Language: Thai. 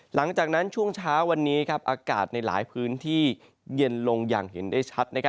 หลังจากนั้นช่วงเช้าวันนี้อากาศในหลายพื้นที่เย็นลงอย่างเห็นได้ชัด